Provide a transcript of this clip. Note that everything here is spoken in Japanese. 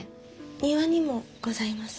庭にもございます。